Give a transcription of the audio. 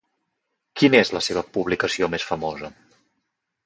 Quina és la seva publicació més famosa?